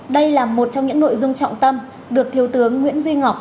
đây là một trong những nội dung trọng tâm được thiếu tướng nguyễn duy ngọc